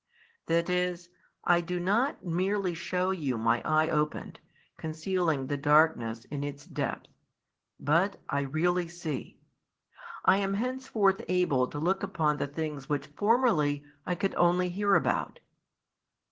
That is, I do not merely shew you my eye opened, concealing the darkness in its depth, but I really see. I am henceforth able to look upon the things which formerly I could only hear about.